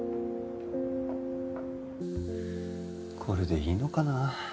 これでいいのかな？